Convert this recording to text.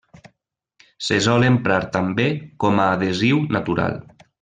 Se sol emprar també com a adhesiu natural.